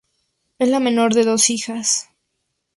Es la menor de dos hijas.